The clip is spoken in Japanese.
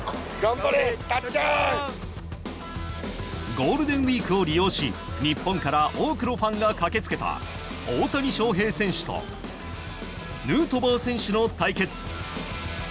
ゴールデンウィークを利用し日本から多くのファンが駆け付けた大谷翔平選手とヌートバー選手の対決。